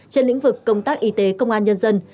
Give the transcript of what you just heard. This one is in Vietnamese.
trên lĩnh vực công tác y tế công an nhân dân